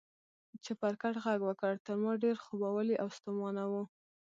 چپرکټ غږ وکړ، تر ما ډېر خوبولی او ستومانه و.